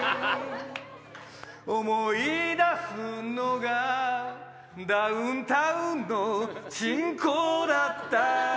思い出すのがダウンタウンのチンコだったら